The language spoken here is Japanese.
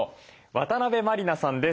渡辺満里奈さんです。